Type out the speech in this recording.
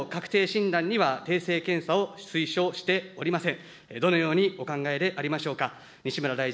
国としても、確定診断には定性検査を推奨しておりません。